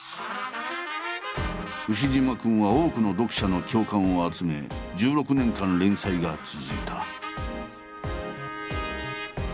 「ウシジマくん」は多くの読者の共感を集め１６年間連載が続いた。